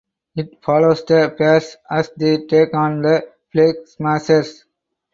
It follows the pair as they take on the Flag Smashers.